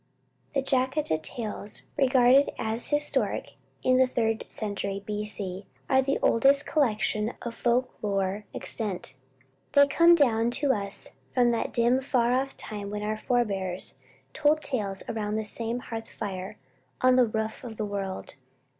The Jataka tales, regarded as historic in the Third Century B. C., are the oldest collection of folk lore extant. They come down to us from that dim far off time when our forebears told tales around the same hearth fire on the roof of the world.